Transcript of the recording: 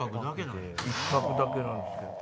１泊だけなんですけどね。